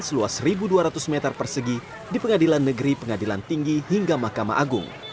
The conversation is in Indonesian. seluas satu dua ratus meter persegi di pengadilan negeri pengadilan tinggi hingga mahkamah agung